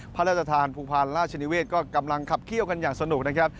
พระราชทานภูพาลราชนิเวศก็กำลังขับเขี้ยวกันอย่างสนุกนะครับ